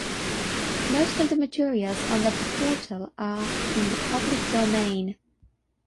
Most of the materials on the portal are in the public domain.